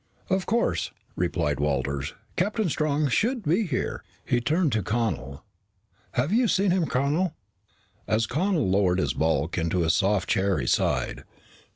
"Of course," replied Walters. "Captain Strong should be here." He turned to Connel. "Have you seen him, Connel?" As Connel lowered his bulk into a soft chair, he sighed.